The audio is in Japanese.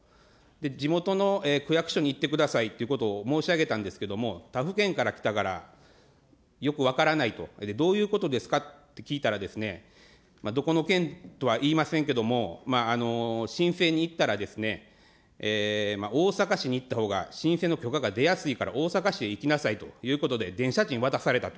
地元の区役所に行ってくださいということを申し上げたんですけれども、他府県から来たからよく分からないと、どういうことですかって聞いたら、どこの県とは言いませんけども、申請に行ったら、大阪市に行ったほうが申請の許可が出やすいから、大阪市へ行きなさいということで、電車賃渡されたと。